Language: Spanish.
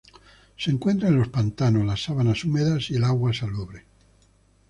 Se encuentra en los pantanos, las sabanas húmedas, y el agua salobre.